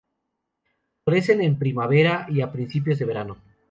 Florecen en primavera y a principios de verano.